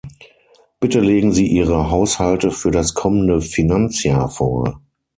Bitte legen Sie Ihre Haushalte für das kommende Finanzjahr vor.